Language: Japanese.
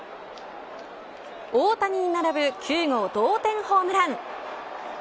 大谷に並ぶ９号同点ホームラン。